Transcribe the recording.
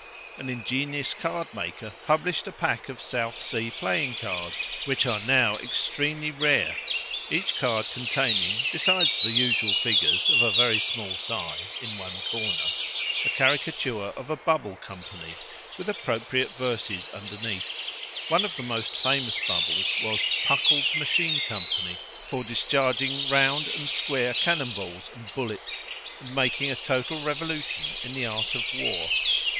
An ingenious cardmaker published a pack of South Sea playing cards, which are now extremely rare, each card containing, besides the usual figures, of a very small size, in one corner, a caricature of a bubble company, with appropriate verses underneath. One of the most famous bubbles was "Puckle's Machine Company," for discharging round and square cannon balls and bullets, and making a total revolution in the art of war.